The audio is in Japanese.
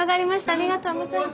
ありがとうございます。